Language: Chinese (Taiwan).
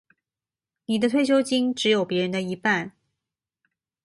你的退休金只有別人的一半